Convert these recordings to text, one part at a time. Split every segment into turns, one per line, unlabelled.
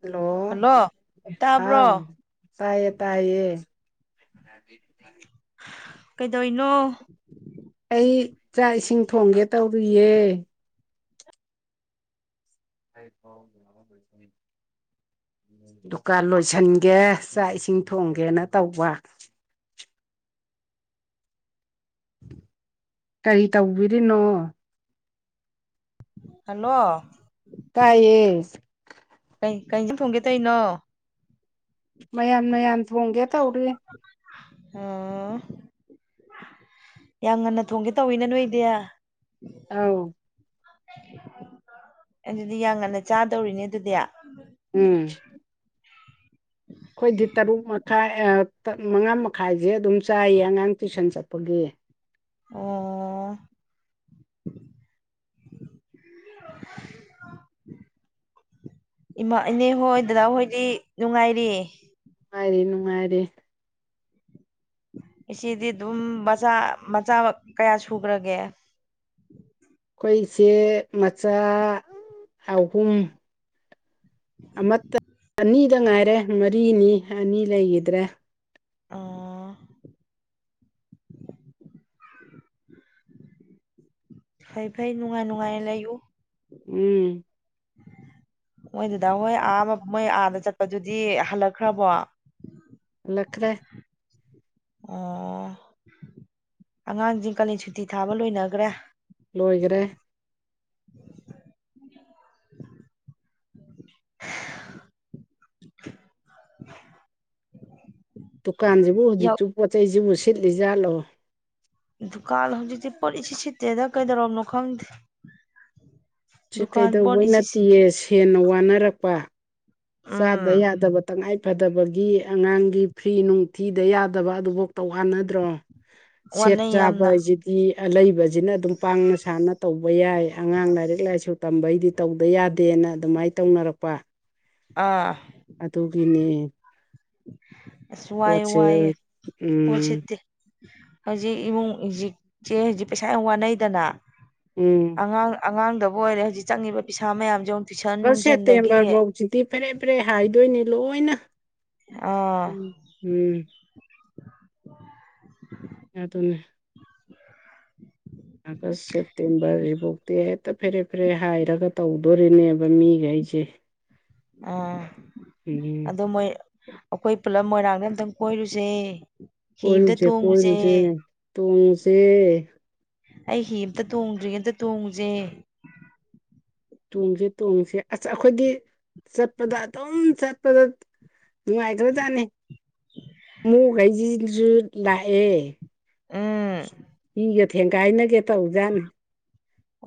Hello ꯍꯥꯎ ꯇꯥꯏꯌꯦ ꯇꯥꯏꯌꯦ [inaudible]
ꯀꯩꯗꯧꯏꯅꯣ
ꯑꯩ ꯆꯥꯛ ꯏꯁꯤꯡ ꯊꯣꯡꯒꯦ ꯇꯧꯔꯤꯌꯦ [unintelligible] ꯗꯨꯀꯥꯟ ꯂꯣꯏꯁꯟꯒꯦ ꯆꯥꯛ ꯏꯁꯤꯡ ꯊꯣꯡꯒꯦꯅ ꯇꯧꯕ ꯀꯔꯤ ꯇꯧꯕꯤꯔꯤꯅꯣ
ꯍꯜꯂꯣ
ꯇꯥꯏꯌꯦ
ꯀꯩ ꯀꯩ ꯏꯟꯖꯥꯡ ꯊꯣꯡꯒꯦ ꯇꯩꯅꯣ
ꯃꯌꯥꯟ ꯃꯌꯥꯟ ꯊꯣꯡꯒꯦ ꯇꯧꯔꯤ
ꯑꯣ ꯌꯥꯝ ꯉꯟꯅ ꯊꯣꯡꯒꯦ ꯇꯧꯋꯤꯅ ꯅꯣꯏꯗꯤ
ꯑꯥꯎ
ꯑꯗꯨꯗꯤ ꯌꯥꯝ ꯉꯟꯅ ꯆꯥꯗꯧꯔꯤꯅꯦ ꯑꯗꯨꯗꯤ
ꯎꯝ ꯑꯩꯈꯣꯏꯗꯤ ꯇꯔꯨꯛ ꯃꯈꯥꯏ ꯃꯉꯥ ꯃꯈꯥꯏꯁꯦ ꯑꯗꯨꯝ ꯆꯥꯏꯌꯦ ꯑꯉꯥꯡ ꯇꯨꯏꯁꯟ ꯆꯠꯄꯒꯤ
ꯑꯣ [unintelligible] ꯏꯃꯥ ꯏꯅꯦ ꯍꯣꯏ ꯗꯗꯥ ꯍꯣꯏꯗꯤ ꯅꯨꯡꯉꯥꯏꯔꯤ
ꯅꯨꯡꯉꯥꯏꯔꯤ ꯅꯨꯡꯉꯥꯏꯔꯤ
ꯏꯆꯦꯗꯤ ꯑꯗꯨꯝ ꯃꯆꯥ ꯃꯆꯥ ꯀꯌꯥ ꯁꯨꯒ꯭ꯔꯒꯦ
ꯑꯩꯈꯣꯏ ꯏꯆꯦ ꯃꯆꯥ ꯑꯍꯨꯝ ꯑꯃꯠꯇ ꯑꯅꯤꯗ ꯉꯥꯏꯔꯦ ꯃꯔꯤꯅꯤ ꯑꯅꯤ ꯂꯩꯒꯤꯗ꯭ꯔꯦ
ꯑꯥ ꯐꯩ ꯐꯩ ꯅꯨꯡꯉꯥꯏ ꯅꯨꯡꯉꯥꯏꯅ ꯂꯩꯌꯨ
ꯎꯝ
ꯃꯣꯏ ꯗꯗꯥ ꯍꯣꯏ ꯑꯥ ꯃꯣꯏ ꯑꯥꯗ ꯆꯠꯄꯗꯨꯗꯤ ꯍꯜꯂꯛꯈ꯭ꯔꯕꯣ
ꯂꯛꯈꯔꯦ
ꯑꯥ ꯑꯉꯥꯡꯖꯤꯡ ꯀꯂꯦꯟ ꯁꯨꯇꯤ ꯊꯥꯕ ꯂꯣꯏꯅꯒ꯭ꯔꯦ
ꯂꯣꯏꯒ꯭ꯔꯦ
[unintelligible]
ꯗꯨꯀꯥꯟꯖꯤꯕꯨ
ꯌꯥꯎ
ꯍꯧꯖꯤꯛꯁꯨ ꯄꯣꯠꯆꯩꯖꯤꯕꯨ ꯁꯤꯠꯂꯤꯖꯥꯠꯂꯣ
ꯗꯨꯀꯥꯜ ꯍꯧꯖꯤꯛꯇꯤ ꯄꯣꯠ ꯏꯁꯤ ꯁꯤꯠꯇꯦꯗ ꯀꯩꯗꯧꯔꯕꯅꯣ ꯈꯪꯗꯦ
ꯁꯤ
ꯗꯨꯀꯥꯟ ꯄꯣꯠ
ꯀꯩꯗꯧꯕꯩ
ꯏꯁꯤꯠ ꯁꯤꯠ
ꯅꯠꯇꯦꯌꯦ ꯁꯦꯅ ꯋꯥꯅꯔꯛꯄ ꯆꯥꯗ
ꯎꯝ
ꯌꯥꯗꯕ ꯇꯉꯥꯏ ꯐꯗꯕꯒꯤ ꯑꯉꯥꯡꯒꯤ ꯐ꯭ꯔꯤ ꯅꯨꯡꯊꯤꯗ ꯌꯥꯗꯕ ꯑꯗꯨꯐꯥꯎ ꯇꯧꯍꯥꯟꯅꯗ꯭ꯔꯣ ꯁꯦꯠ
ꯋꯥꯅꯩ ꯌꯥꯝꯅ
ꯆꯥꯕꯁꯤꯗꯤ ꯑꯂꯩꯕ ꯁꯤꯅ ꯑꯗꯨꯝ ꯄꯥꯡꯅ ꯁꯥꯟꯅ ꯇꯧꯕ ꯌꯥꯏ ꯑꯉꯥꯡ ꯂꯥꯏꯔꯤꯛ ꯂꯥꯏꯁꯨ ꯇꯝꯕꯩꯗꯤ ꯇꯧꯗ ꯌꯥꯗꯦꯅ ꯑꯗꯨꯃꯥꯏꯅ ꯇꯧꯅꯔꯛꯄ
ꯑꯥ
ꯑꯗꯨꯒꯤꯅꯦ꯫
ꯑ ꯁ ꯋꯥꯏ ꯋꯥꯏ
ꯎꯝ
ꯑꯣꯖꯤꯠꯇ꯫ ꯍꯧꯖꯤꯛ ꯏꯃꯨꯡ ꯍꯧꯖꯤꯛꯁꯦ ꯍꯧꯖꯤꯛ ꯄꯩꯁꯥ ꯌꯥꯝ ꯋꯥꯅꯩꯗꯅ
ꯎꯝ
ꯑꯉꯥꯡ ꯑꯉꯥꯡꯗꯕꯨ ꯑꯣꯏꯔꯦ ꯍꯧꯖꯤꯛ ꯆꯪꯉꯤꯕ ꯄꯩꯁꯥ ꯃꯌꯥꯝꯁꯦꯨ
ꯑꯒꯥꯁꯇ ꯇꯦꯝꯕꯥꯔ ꯍꯎꯁꯤ ꯇꯤ ꯐꯔꯦ ꯐꯔꯦ ꯍꯥꯏꯗꯣꯏꯅꯦ ꯂꯣꯏꯅ
ꯑꯥ
ꯎ ꯎꯝ ꯑꯗꯨꯅ ꯑꯒꯁ ꯁꯦꯞꯇꯦꯝꯕꯔ ꯖꯤꯕꯨꯣꯛ ꯇꯦ ꯍꯦꯛꯇ ꯐꯦꯔꯦ ꯐꯦꯔꯦ ꯍꯥꯏꯔꯒ ꯇꯧꯗꯣꯔꯤꯅꯦꯕ ꯃꯤꯒ ꯑꯩꯁꯦ꯫
ꯑ ꯑꯗꯨꯗꯣ ꯃꯣꯏ ꯑꯩꯈꯣꯏ ꯄꯨꯂꯝ ꯃꯣꯏꯔꯥꯡꯗ ꯑꯝꯇꯪ ꯀꯣꯏꯔꯨꯁꯦ꯫ ꯍꯤ ꯑꯝꯇ
ꯀꯣꯏꯨꯖꯦ
ꯇꯣꯡꯉꯨꯁꯦ
ꯀꯣꯏꯨꯖꯦ ꯇꯨꯁꯦ꯫
ꯑꯩ ꯍꯤ ꯑꯃꯇ ꯇꯣꯡꯗ꯭ꯔꯤꯉꯩ ꯑꯃꯇ ꯇꯣꯡꯉꯨꯁꯦ꯫
ꯇꯣꯡꯁꯤ ꯇꯣꯡꯁ ꯑꯩꯈꯣꯏꯒꯤ ꯆꯠꯄꯗ ꯑꯗꯨꯝ ꯆꯠꯄꯗ ꯅꯨꯡꯉꯥꯏꯇꯕꯖꯥꯅꯤ ꯃꯣꯛꯈꯩꯁꯤꯁꯨ ꯂꯥꯛꯑꯦ꯫
ꯎꯝ
ꯏꯒꯦ ꯊꯦꯡ ꯀꯥꯏꯅꯒꯦ ꯇꯧꯖꯥꯅꯦ꯫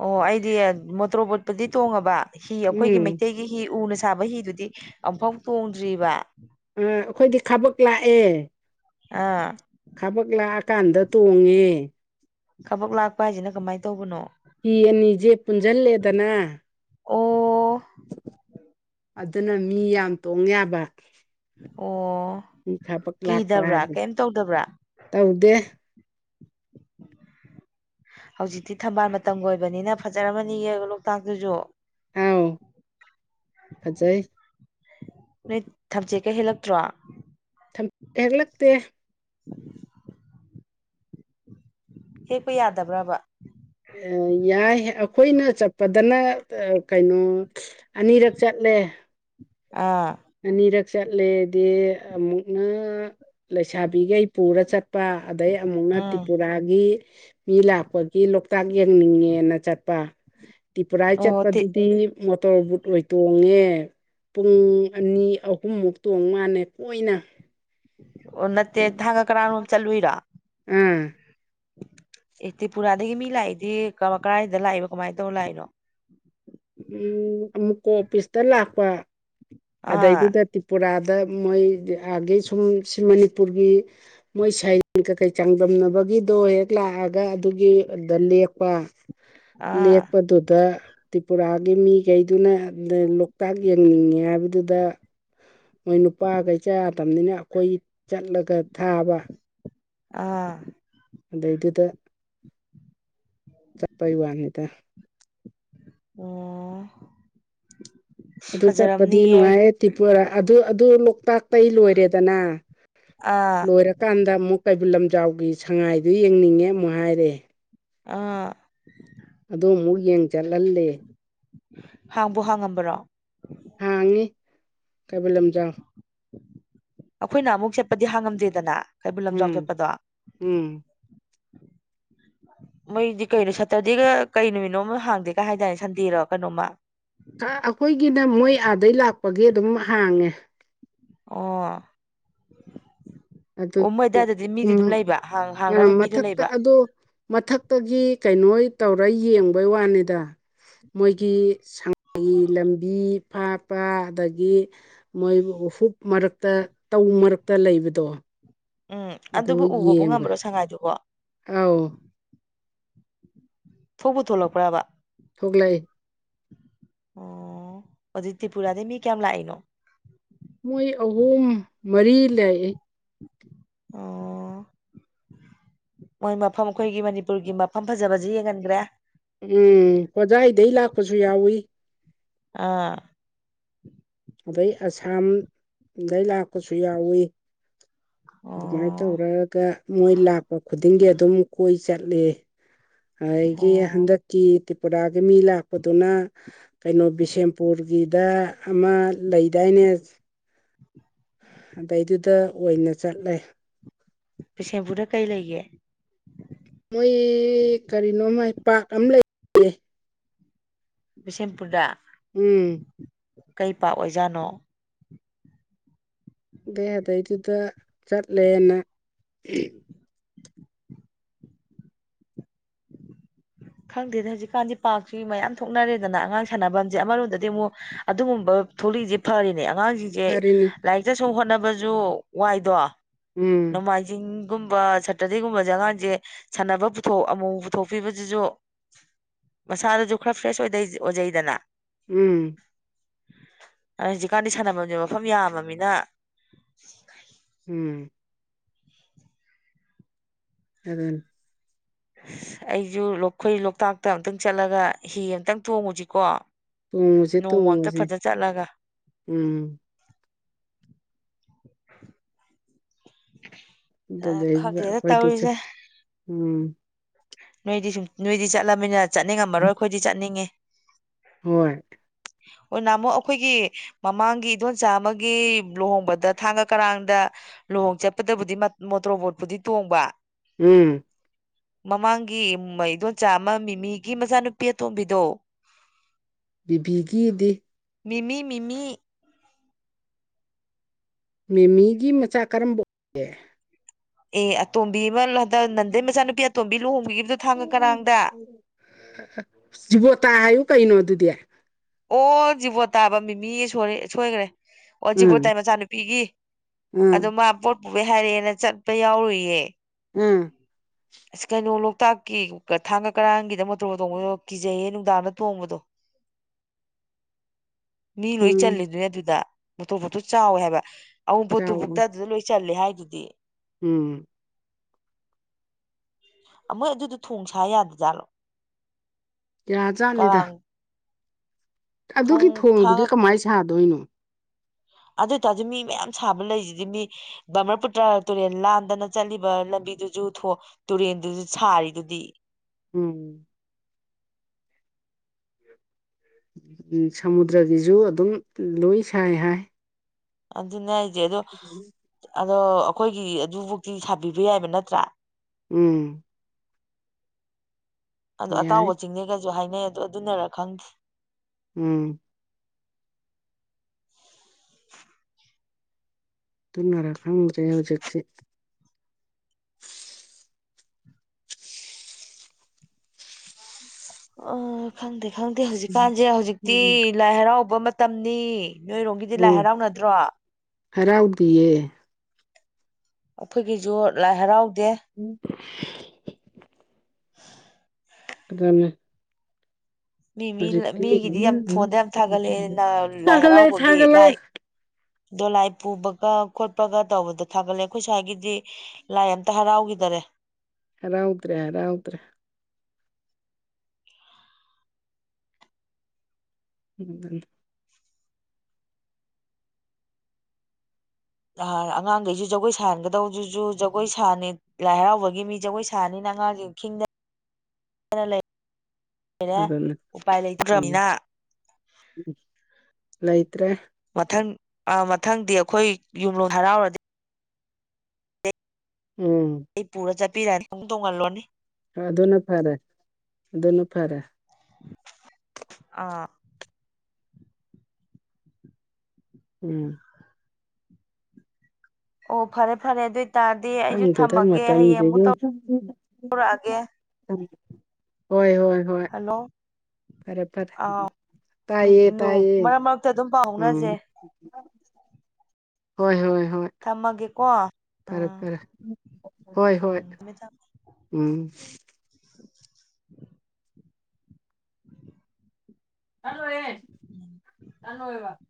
ꯑꯣ ꯑꯩꯗꯤ ꯃꯣꯇꯣꯔꯣꯕꯣꯠꯄꯨꯗꯤ ꯇꯣꯡꯉꯕ ꯍꯤ ꯑꯩꯈꯣꯏꯒꯤ
ꯎꯝ
ꯃꯩꯇꯩꯒꯤ ꯍꯤ ꯎꯅ ꯁꯥꯕ ꯍꯤꯗꯨꯗꯤ ꯑꯃꯨꯐꯥꯎ ꯇꯣꯡꯗ꯭ꯔꯤꯕ
ꯑꯩꯈꯣꯏꯗꯤ ꯈꯕꯛ ꯂꯥꯛꯑꯦ꯫
ꯑꯥ
ꯈꯕꯛ ꯂꯥꯛꯑꯀꯥꯟꯗ ꯇꯣꯡꯉꯦ꯫
ꯊꯕꯛ ꯂꯥꯛꯄ ꯍꯥꯏꯁꯤꯅ ꯀꯃꯥꯏꯅ ꯇꯧꯕꯅꯣ?
ꯍꯤ ꯑꯅꯤꯁꯦ ꯄꯨꯟꯁꯤꯜꯂꯦꯗꯅ
ꯑꯣ
ꯑꯗꯨꯅ ꯃꯤ ꯌꯥꯝ ꯇꯣꯡ ꯌꯥꯕ
ꯑꯣ
ꯃꯤ ꯈꯥꯕꯛ ꯂꯥꯛꯄ
ꯀꯤꯗꯕ꯭ꯔꯥ
ꯍꯥꯏꯁꯦ
ꯀꯩꯝ ꯇꯧꯗꯕ꯭ꯔꯥ?
ꯇꯧꯗꯦ꯫
ꯍꯧꯖꯤꯛꯇꯤ ꯊꯝꯕꯥꯜ ꯃꯇꯝꯒꯤ ꯑꯣꯏꯕꯅꯤꯅ ꯐꯖꯔꯝꯃꯅꯤ ꯂꯣꯛꯇꯥꯛꯇꯨꯁꯨ
ꯑꯥꯎ ꯐꯖꯩ꯫
ꯅꯣꯏ ꯊꯝꯆꯦꯠꯀ ꯍꯦꯜꯂꯛꯇ꯭ꯔꯣ?
ꯍꯒ ꯂꯛꯇꯇ
[inaudible] ꯍꯦꯛꯄ ꯌꯥꯗꯕ꯭ꯔꯕ
ꯌꯥꯏ ꯑꯩꯈꯣꯏꯅ ꯆꯠꯄꯗꯅ ꯀꯩꯅꯣ ꯑꯅꯤꯔꯛ ꯆꯠꯂꯦ꯫
ꯑꯥ
ꯑꯅꯤꯔꯛ ꯆꯠꯂꯦꯗꯤ ꯑꯃꯨꯛꯅ ꯂꯩꯁꯥꯕꯤꯈꯩ ꯄꯨꯔ ꯆꯠꯄ ꯑꯗꯩ ꯑꯃꯨꯛꯅ
ꯎꯝ
ꯇ꯭ꯔꯤꯄꯨꯔꯥꯒꯤ ꯃꯤ ꯂꯥꯛꯄꯒꯤ ꯂꯣꯛꯇꯥꯛ ꯌꯦꯡꯅꯤꯡꯉꯦꯅ ꯆꯠꯄ ꯇ꯭ꯔꯤꯄꯨꯔꯥ
ꯑꯣ ꯇꯤ
ꯆꯠꯄꯗꯨꯗꯤ ꯃꯣꯇꯣꯔ ꯕꯨꯠ ꯑꯣꯏ ꯇꯣꯡꯉꯦ ꯄꯨꯡ ꯑꯅꯤ ꯑꯍꯨꯝꯃꯨꯛ ꯇꯣꯡ ꯃꯥꯜꯂꯦ ꯀꯣꯏꯅ
ꯑꯣ ꯅꯠꯇꯦ ꯊꯥꯡꯒ ꯀꯔꯥꯔꯣꯝ ꯆꯠꯂꯨꯏꯔꯥ
ꯎꯝ
ꯑꯦ ꯇ꯭ꯔꯤꯄꯨꯔꯥꯗꯒꯤ ꯃꯤ ꯂꯥꯛꯏꯗꯤ ꯀꯗꯥꯥꯏꯗ ꯂꯥꯛꯏꯕꯣ ꯀꯃꯥꯏꯅ ꯇꯧꯔ ꯂꯥꯛꯏꯅꯣ
ꯎꯝ ꯑꯃꯨꯛꯀ ꯑꯣꯐꯤꯁꯇ ꯂꯥꯛꯄ
ꯑꯥ
ꯑꯗꯩꯗꯨꯗ ꯇ꯭ꯔꯤꯄꯨꯔꯥꯗ ꯃꯣꯏ ꯑꯒꯤ ꯁꯨꯝ ꯁꯤ ꯃꯅꯤꯄꯨꯔꯒꯤ ꯃꯣꯏ ꯁꯥꯏꯟ ꯀꯩꯀꯩ ꯆꯥꯡꯗꯝꯅꯕꯒꯤꯗꯣ ꯍꯦꯛ ꯂꯥꯛꯑꯒ ꯑꯗꯨꯒꯤꯗ ꯂꯦꯛꯄ
ꯑꯥ
ꯂꯦꯛꯄꯗꯨꯗ ꯇ꯭ꯔꯤꯄꯨꯔꯥꯒꯤ ꯃꯤꯈꯩꯗꯨꯅ ꯂꯣꯛꯇꯥꯛ ꯌꯦꯡꯅꯤꯡꯉꯦ ꯍꯥꯏꯕ ꯑꯗꯨꯗ ꯃꯣꯏ ꯅꯨꯄꯥ ꯀꯩꯆꯥ ꯇꯅꯤꯅ ꯑꯩꯈꯣꯏ ꯆꯠꯂꯒ ꯊꯥꯕ
ꯑꯥ
ꯑꯗꯩꯗꯨꯗ ꯆꯠꯄꯩ ꯋꯥꯅꯤꯗ
ꯑꯣ
ꯑꯗꯨ ꯆꯠꯄꯗꯤ
ꯐꯖꯔꯝꯅꯤꯌꯦ
ꯅꯨꯡꯉꯥꯏꯔ ꯇ꯭ꯔꯤꯄꯥ ꯑꯗꯨ ꯑꯗꯨ ꯂꯣꯛꯇꯥꯛꯇꯩ ꯂꯣꯏꯔꯦꯗꯅ
ꯑꯥ
ꯂꯣꯏꯔꯀꯥꯟꯗ ꯑꯃꯨꯛ ꯀꯩꯕꯨꯜ ꯂꯝꯖꯥꯎꯒꯤ ꯁꯉꯥꯏꯗꯨ ꯌꯦꯡꯅꯤꯡꯉꯦ ꯑꯃꯨꯛ ꯍꯥꯏꯔꯦ
ꯑꯥ
ꯑꯗꯣ ꯑꯃꯨꯛ ꯌꯦꯡ ꯆꯠꯍꯜꯂꯦ
ꯍꯥꯡꯕ ꯍꯥꯡꯉꯝꯕꯔꯣ
ꯍꯥꯡꯉꯤ ꯀꯩꯕꯨꯜ ꯂꯝꯖꯥꯎ
ꯑꯩꯈꯣꯏꯅ ꯑꯃꯨꯛ ꯆꯠꯄꯗꯤ ꯍꯥꯡꯉꯝꯗꯦꯗꯅ ꯀꯩꯕꯨꯜ ꯂꯝꯖꯥꯎ
ꯎꯝ
ꯆꯠꯄꯗꯣ
ꯎꯝ
ꯃꯣꯏꯗꯤ ꯀꯩꯅꯣ ꯁꯦꯇꯔꯗꯦꯒ ꯀꯩ ꯅꯨꯃꯤꯠꯅꯣꯝꯃ ꯍꯥꯡꯗꯦꯒ ꯍꯥꯏꯗꯥꯏꯅꯦ ꯁꯟꯗꯦꯔꯣ ꯀꯩꯅꯣꯃꯥ
ꯑꯩꯈꯣꯏꯒꯤꯅ ꯃꯣꯏ ꯑꯥꯗꯩ ꯂꯥꯛꯄꯒꯤ ꯑꯗꯨꯝ ꯍꯥꯡꯉꯦ
ꯑꯣ
ꯑꯗꯨ
ꯑꯣ ꯃꯣꯏꯗꯥꯏꯗꯗꯤ ꯃꯤꯗꯤ ꯑꯗꯨꯝ ꯂꯩꯕ ꯍꯥꯡꯅꯕ ꯃꯤꯗꯨꯣ
ꯃꯊꯛꯇ
ꯂꯩꯕ
ꯑꯗꯣ ꯃꯊꯛꯇꯒꯤ ꯀꯩꯅꯣ ꯇꯧꯔ ꯌꯦꯡꯕꯩ ꯋꯥꯅꯤꯗ ꯃꯣꯏꯒꯤ ꯁꯉꯥꯏꯒꯤ ꯂꯝꯕꯤ ꯐꯥꯇꯄꯥ ꯑꯗꯒꯤ ꯃꯣꯏꯕꯨ ꯍꯨꯞ ꯃꯔꯛꯇ ꯇꯧ ꯃꯔꯛꯇ ꯂꯩꯕꯗꯣ
ꯎꯝ
ꯑꯗꯨ
ꯑꯗꯨꯕꯨ ꯎꯕꯕꯨ
ꯌꯦꯡꯕ
ꯉꯝꯕ꯭ꯔꯣ ꯁꯉꯥꯏꯗꯨꯕꯣ
ꯑꯥꯎ
ꯊꯣꯛ ꯄꯨ ꯊꯣꯛꯂꯛꯄ꯭ꯔꯕ
ꯊꯣꯛꯣꯛꯂ
ꯑꯣ ꯑꯗꯨꯗꯤ ꯇ꯭ꯔꯤꯄꯨꯔꯥꯗꯩꯩ ꯃꯤ ꯀꯌꯥꯝ ꯂꯥꯛꯏꯅꯣ
ꯃꯣꯏ ꯑꯍꯨꯝ ꯃꯔꯤ ꯂꯥꯛ ꯏ
ꯑꯣ ꯃꯣꯏ ꯃꯐꯝ ꯑꯩꯈꯣꯏꯒꯤ ꯃꯅꯤꯄꯨꯔꯒꯤ ꯃꯐꯝ ꯐꯖꯕꯁꯤ ꯌꯦꯡꯍꯟꯈ꯭ꯔꯦ
ꯎꯝ ꯍꯣꯖꯥꯢꯗꯒꯤ ꯂꯥꯛꯄꯁꯨ ꯌꯥꯎꯏ
ꯑꯥ
ꯑꯗꯩ ꯑꯁꯥꯝꯗꯩ ꯂꯥꯛꯄꯁꯨ ꯌꯥꯎꯏꯤ ꯑꯗꯨꯃꯥꯏꯅ
ꯑꯣ
ꯇꯧꯔꯒ ꯃꯣꯏ ꯂꯥꯛꯄ ꯈꯨꯗꯤꯡꯒꯤ ꯑꯗꯨꯝ ꯀꯣꯏ ꯆꯠꯂꯤ ꯑꯩꯗꯒꯤ
ꯑꯣ
ꯍꯟꯗꯛꯀꯤ ꯇ꯭ꯔꯤꯄꯨꯔꯥꯒꯤ ꯃꯤ ꯂꯥꯛꯄꯗꯨꯅ ꯀꯩꯅꯣ ꯕꯤꯁꯦꯝꯄꯨꯔꯒꯤꯗ ꯑꯃ ꯂꯩꯗꯥꯏꯅꯦ ꯑꯗꯩꯗꯨꯗ ꯑꯣꯏꯅ ꯆꯠꯂꯦ
ꯕꯤꯁꯦꯝꯄꯨꯔꯗ ꯀꯩ ꯂꯩꯒꯦ
ꯃꯣꯏ ꯀꯔꯤꯅꯣ ꯃꯥꯏ ꯄꯥꯛ ꯑꯃ ꯂꯩ
ꯕꯤꯁꯦꯝꯄꯨꯔꯗ
ꯎꯝ
ꯀꯩ ꯄꯥꯛ ꯑꯣꯏꯖꯥꯠꯅꯣ
ꯑꯩ ꯑꯗꯩꯗꯨꯗ ꯆꯠꯂꯦꯅ
ꯈꯪꯗꯦꯗ ꯍꯧꯖꯤꯛꯀꯥꯟꯗꯤ ꯄꯥꯛꯁꯤ ꯃꯌꯥꯝ ꯊꯣꯛꯅꯔꯦꯗꯅ ꯑꯉꯥꯡ ꯁꯥꯟꯅꯐꯝꯁꯦ ꯑꯃꯔꯣꯝꯗꯗꯤ ꯑꯃꯨꯛ ꯑꯗꯨꯒꯨꯝꯕ ꯊꯣꯛꯂꯛꯏꯁꯦ ꯐꯔꯤꯅꯦ ꯑꯉꯥꯡꯁꯤ ꯖꯦ
ꯍꯥꯏꯔꯤꯅꯤ
ꯂꯥꯏꯔꯤꯛꯇꯁꯨꯝ ꯍꯣꯠꯅꯕꯁꯨ ꯋꯥꯏꯗꯣ
ꯎꯝ
ꯅꯣꯡꯃꯥꯏꯖꯤꯡ ꯒꯨꯝꯕ ꯁꯇꯔꯗꯦꯒꯨꯝꯕꯁꯦ ꯑꯉꯥꯡꯁꯦ ꯁꯥꯟꯅꯕ ꯄꯨꯊꯣꯛ ꯑꯃꯨ ꯄꯨꯊꯣꯛꯄꯤꯕꯗꯨꯁꯨ ꯃꯁꯥꯗꯨꯁꯨ ꯈꯔ ꯐ꯭ꯔꯦꯁ ꯑꯣꯏ ꯑꯣꯏꯖꯩꯗꯅ
ꯎꯝ
ꯑ ꯍꯧꯖꯤꯛꯀꯥꯟꯗꯤ ꯁꯥꯟꯅꯐꯝꯝꯁꯦ ꯃꯐꯝ ꯌꯥꯝꯃꯃꯤꯅ
ꯎꯝ ꯎꯝ [unintelligible]
ꯑꯁ ꯑꯩꯁꯨ ꯑꯩꯈꯣꯏ ꯂꯣꯛꯇꯥꯛꯇ ꯑꯨꯛꯇꯪ ꯆꯠꯂꯒ ꯍꯤ ꯑꯃꯨꯇꯪ ꯊꯣꯡꯉꯨꯁꯤꯀꯣ
ꯇꯨꯡꯉꯨꯁꯦ ꯇꯨꯡꯉꯨꯁꯦ ꯎꯝ ꯑꯗꯨꯗꯗ
ꯈꯪꯗꯦꯗ
ꯀꯣꯏꯇꯁ
ꯇꯧꯔꯤꯁꯦ
ꯎꯝ
ꯅꯣꯏꯗꯤ ꯁꯨꯝ ꯅꯣꯏꯗꯤ ꯆꯠꯂꯅꯤꯅ ꯆꯠꯅꯤꯡꯉꯝꯃꯔꯣꯏ ꯑꯩꯈꯣꯏꯗꯤ ꯆꯠꯅꯤꯡꯉꯤ
ꯍꯣꯏ
[inaudible] ꯑꯣ ꯅꯅꯥꯃꯣꯛ ꯑꯩꯈꯣꯏꯒꯤ ꯃꯃꯥꯡꯒꯤ ꯏꯗꯣꯟꯆꯥ ꯑꯃꯒꯤ ꯂꯨꯍꯣꯡꯕꯗ ꯊꯥꯡꯒ ꯀꯔꯥꯡꯗ ꯂꯨꯍꯣꯡ ꯆꯠꯄꯗꯕꯨꯗꯤ ꯃꯣꯇꯣꯔꯣ ꯕꯣꯠꯄꯨꯗꯤ ꯇꯣꯡꯕ
ꯎꯝ
ꯃꯃꯥꯡꯒꯤ ꯃꯩꯗꯣꯟꯆꯥ ꯑꯃ ꯃꯤꯃꯤꯒꯤ ꯃꯆꯥꯅꯨꯄꯤ ꯑꯇꯣꯝꯕꯤꯗꯣ
ꯕꯤꯕꯤꯒꯤꯗꯤ
ꯃꯤꯃꯤ ꯃꯤꯃꯤ
ꯃꯦꯃꯤꯒꯤ ꯃꯆꯥ ꯀꯔꯝꯕ ꯑꯣꯏꯒꯦ
ꯑꯦ ꯇꯣꯝꯕꯤ ꯃ ꯍꯟꯗꯥꯛ ꯂꯥꯟꯗ ꯒꯤ ꯃꯆꯥꯅꯨꯄꯤ ꯑꯇꯣꯟꯕꯤ ꯂꯨꯍꯣꯡꯕꯤꯒꯤꯕꯗꯣ
ꯖꯤꯕꯣꯇꯥ ꯍꯥꯏꯌꯨ ꯀꯩꯅꯣ ꯑꯗꯨꯗꯤ
ꯑꯣ ꯖꯤꯕꯣꯠꯇꯥ ꯍꯥꯏꯕꯥ ꯃꯤꯃꯤ ꯌꯦ ꯁꯣꯏꯈꯔꯦ ꯑꯣ
ꯎꯝ
ꯖꯤꯕꯣꯇꯥꯏ ꯃꯆꯥꯅꯨꯄꯤꯒꯤ ꯑꯗꯨ
ꯎꯝ
ꯃꯥ ꯄꯣꯠ ꯄꯨꯕꯩ ꯍꯥꯏꯔꯛ ꯑꯥꯅ ꯆꯠꯄ ꯌꯥꯎꯔꯨꯏꯌꯦ
ꯎꯝ
ꯑꯁ ꯀꯩꯅꯣ ꯂꯣꯛꯇꯥꯛꯀꯤ ꯊꯥꯡꯒ ꯀꯔꯥꯡꯒꯤꯗ ꯃꯣꯇꯣꯔ ꯇꯣꯡꯕꯗꯣ ꯀꯤꯖꯩꯌꯦ ꯅꯨꯡꯗꯥꯡꯗ ꯇꯣꯡꯕꯗꯣ [inaudible] ꯃꯤ ꯂꯣꯏ
ꯎꯝ
ꯆꯜꯂꯤꯗꯨꯅꯦ ꯑꯗꯨꯗ ꯃꯣꯇꯣꯔꯕꯣꯠ ꯇꯣ ꯆꯥꯎꯋꯦ ꯍꯥꯏꯕ ꯑꯋꯥꯎꯟꯄꯣꯠꯇꯨ ꯕꯨꯛꯇ
ꯆꯥꯎꯕꯅꯤ
ꯑꯗꯨꯗ ꯂꯣꯏ ꯆꯠꯂꯦ ꯍꯥꯏꯗꯨꯗꯤ
ꯎꯝ
ꯃꯣꯏ ꯑꯗꯨꯗꯣ ꯊꯣꯡ ꯁꯥ ꯌꯥꯗꯖꯥꯠꯂꯣ
ꯀꯦꯌꯥꯖꯥꯠꯅꯤꯗ
ꯀꯔꯥꯡ
ꯑꯗꯨꯒꯤ
ꯊꯣꯡ
ꯊꯣꯡꯗꯨꯗꯤ
ꯊꯥꯡꯒ
ꯀꯃꯥꯏꯅ ꯁꯥꯗꯣꯏꯅꯣ
ꯑꯗꯨꯑꯣꯏꯇꯥꯔꯁꯨ ꯃꯤ ꯃꯌꯥꯝ ꯁꯥꯕ ꯂꯩꯁꯤꯗꯤ ꯃꯤ ꯕꯃꯔꯄꯨꯨꯇ꯭ꯔ ꯇꯨꯔꯦꯜ ꯂꯥꯟꯗꯅ ꯆꯠꯂꯤꯕ ꯂꯝꯕꯤꯗꯨꯁꯨ ꯊꯣꯡ ꯇꯨꯔꯦꯟꯗꯨꯗꯤ ꯁꯥꯔꯤꯗꯨꯗꯤ
ꯎꯝ ꯎ ꯁꯃꯨꯗ꯭ꯔꯒꯤꯁꯨ ꯑꯗꯨꯝ ꯂꯣꯏ ꯁꯥꯏ ꯍꯥꯏ
ꯑꯗꯨꯅ ꯍꯥꯏꯖꯦ ꯑꯗꯨ
ꯎꯝ
ꯑꯗꯣ ꯑꯩꯈꯣꯏꯒꯤ ꯑꯗꯨꯕꯨꯧꯇꯤ ꯁꯥꯕꯤꯕ ꯌꯥꯏꯕ ꯅꯠꯇ꯭ꯔꯥ
ꯎꯝ
ꯑꯗꯣ
ꯌꯥꯏ
ꯑꯇꯥꯎꯕ ꯆꯤꯡꯅꯦꯒꯁꯨ ꯍꯥꯏꯅꯩ ꯑꯗꯣ ꯑꯗꯨꯅꯔꯥ ꯈꯪꯗꯦ
ꯎꯝ ꯇꯨꯅꯔ ꯈꯪꯗ꯭ꯔꯦ ꯍꯧꯖꯤꯛꯇꯁꯤꯤ
ꯑ ꯈꯪꯗꯦ ꯈꯪꯗꯦ ꯍꯧꯖꯤꯛꯀꯥꯟꯁꯦ ꯍꯧꯖꯤꯛꯇꯤ
ꯎꯝ
ꯂꯥꯏ ꯍꯔꯥꯎꯕ ꯃꯇꯝꯅꯤ ꯅꯣꯏꯔꯣꯝꯒꯤꯗꯤ ꯂꯥꯏ ꯍꯔꯥꯎꯅꯗ꯭ꯔꯣ
ꯍꯔꯥꯎꯕꯤꯌꯦ
ꯑꯩꯈꯣꯏꯒꯤꯁꯨ ꯂꯥꯏ ꯍꯔꯥꯎꯗꯦ
ꯎꯝ [unintelligible]
[inaudible]
ꯑꯗꯨꯅꯤ
ꯃꯤ ꯃꯤ ꯃꯤꯒꯤꯗꯤ ꯌꯥꯝ ꯐꯣꯟꯗ ꯌꯥꯝ ꯊꯥꯒꯠꯂꯛꯑꯦꯅ ꯂꯥꯏ
ꯁꯥꯒꯠꯂꯛꯑꯦ
ꯍꯔꯥꯎꯕꯒꯤ
ꯁꯥꯒꯠꯂꯛꯑꯦ
ꯂꯥꯏ ꯗꯣꯂꯥꯏ ꯄꯨꯕꯒ ꯈꯣꯠꯄꯒ ꯇꯧꯕꯗ ꯊꯥꯒꯠꯂꯦ ꯑꯩꯈꯣꯏ ꯁ꯭ꯋꯥꯏꯒꯤꯗꯤ ꯂꯥꯏ ꯑꯃꯝꯇ ꯍꯔꯥꯎꯈꯤꯗꯔꯦ
ꯍꯥꯔꯥꯎꯗ꯭ꯔꯦ ꯍꯥꯔꯥꯎꯗ꯭ꯔꯦ [unintelligible]
ꯑꯉꯥꯡꯈꯩꯁꯨ ꯖꯒꯣꯏ ꯁꯥꯍꯟꯒꯗꯧꯗꯨꯁꯨ ꯖꯒꯣꯏ ꯁꯥꯅꯤ ꯂꯥꯏ ꯍꯔꯥꯎꯕꯒꯤ ꯃꯤ ꯖꯒꯣꯏ ꯁꯥꯅꯤꯅ ꯑꯉꯥꯡꯁꯤꯡ ꯈꯤꯡꯗꯅ ꯂꯩ
ꯑꯗꯨꯅꯤ ꯎꯝ
ꯂꯩꯇ꯭ꯔꯕꯅꯤꯅ
ꯂꯩꯇ꯭ꯔꯦ
ꯃꯊꯪ ꯑ ꯃꯊꯪꯗꯤ ꯑꯩꯈꯣꯏ ꯌꯨꯝꯂꯣ ꯍꯔꯥꯎꯔꯗꯤ
ꯎꯝ
ꯑꯩ ꯄꯨꯔ ꯆꯠꯄꯤꯔꯅꯤ ꯇꯣꯡꯍꯜꯂꯣꯅꯦ
ꯑꯗꯨꯅ ꯐꯔꯦ ꯑꯗꯨꯅ ꯐꯔꯦ
ꯑꯥ
ꯎꯝ
ꯑꯣ ꯐꯔꯦ ꯐꯔꯦ ꯑꯗꯨ ꯑꯣꯏꯇꯥꯔ
ꯈꯪꯗꯦꯗ ꯃꯇꯝꯁꯤꯒꯤ
ꯇꯧꯔꯛꯑꯒꯦ
[unintelligible] ꯍꯣꯏ ꯍꯣꯏ ꯍꯣꯏ
ꯍꯜꯂꯣ
ꯐꯔꯦ ꯐꯔꯦ
ꯑꯥ
ꯇꯥꯏꯌꯦ ꯇꯥꯏꯌꯦ
ꯃꯔꯛ ꯃꯔꯛꯇ ꯑꯗꯨꯝ ꯄꯥꯎ ꯐꯥꯎꯅꯁꯦ
ꯑꯝ ꯍꯣꯏ ꯍꯣꯏ ꯍꯣꯏ
ꯊꯝꯃꯒꯦꯀꯣ
ꯐꯔꯦ
ꯎꯝ
ꯐꯔꯦ ꯍꯣꯏ ꯍꯣꯏ
ꯊꯝꯃꯦ ꯊꯝꯃꯦ
ꯎꯝ [unintelligible]
ꯎꯝ
[unintelligible]